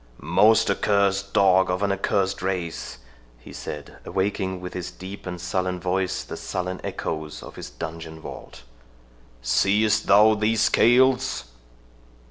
"Most accursed dog of an accursed race," he said, awaking with his deep and sullen voice the sullen echoes of his dungeon vault, "seest thou these scales?"